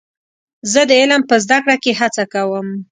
زه د علم په زده کړه کې هڅه کوم.